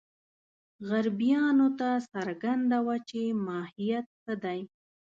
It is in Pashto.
غربیانو ته څرګنده وه چې ماهیت څه دی.